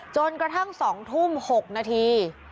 จนกระทั่ง๒ทุ่ม๖นาที